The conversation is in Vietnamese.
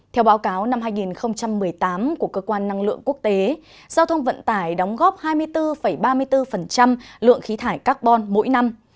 theo báo cáo năm hai nghìn một mươi tám của cơ quan năng lượng quốc tế giao thông vận tải đóng góp hai mươi bốn ba mươi bốn lượng khí thải carbon mỗi năm